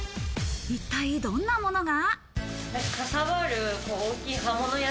一体、どんなものが？